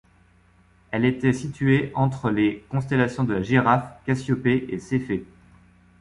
Elle était située entre les constellations de la Girafe, Cassiopée et Céphée.